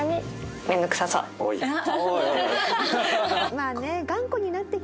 まあね。